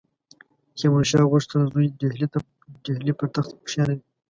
تیمورشاه غوښتل زوی ډهلي پر تخت کښېنوي.